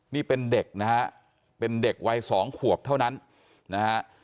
นี่เป็นเด็กนะฮะเป็นเด็กวัยสองขวบเท่านั้นนะฮะ